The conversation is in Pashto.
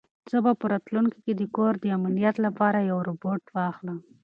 زه به په راتلونکي کې د کور د امنیت لپاره یو روبوټ واخلم.